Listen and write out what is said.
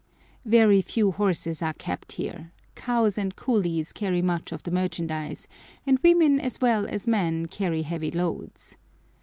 Very few horses are kept here. Cows and coolies carry much of the merchandise, and women as well as men carry heavy loads.